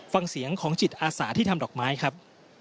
ฟังเสียงของจิตอาสาที่ทำดอกไม้ครับ